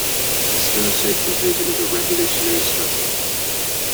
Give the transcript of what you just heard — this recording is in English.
The stir shaped his vision of a revolutionary struggle.